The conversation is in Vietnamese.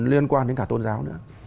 liên quan đến cả tôn giáo nữa